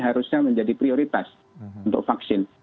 harusnya menjadi prioritas untuk vaksin